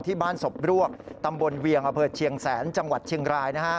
ที่บ้านศพรวกตำบลเวียงอำเภอเชียงแสนจังหวัดเชียงราย